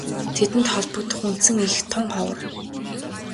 Тэдэнд холбогдох үндсэн эх тун ховор.